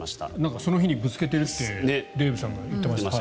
その日にぶつけてってデーブさんが言っていました。